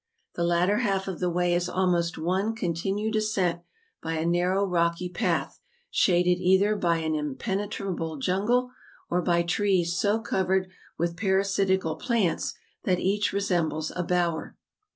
... The latter half of the way is almost one continued ascent by a narrow, rocky path, shaded either by an impenetrable jungle, or by trees so covered with parasitical plants, that each resembles a bower.